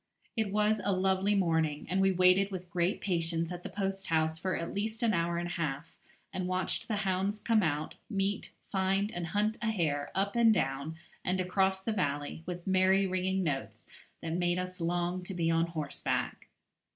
It was a lovely morning, and we waited with great patience at the post house for at least an hour and a half, and watched the hounds come out, meet, find, and hunt a hare up and down, and across the valley, with merry ringing notes that made us long to be on horseback.